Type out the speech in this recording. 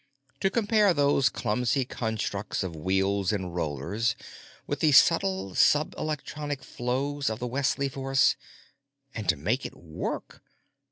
To compare those clumsy constructs of wheels and rollers with the subtle subelectronic flows of the Wesley force—and to make it work!